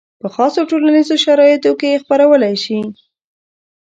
په خاصو ټولنیزو شرایطو کې یې خپرولی شي.